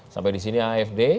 sampai di sini afd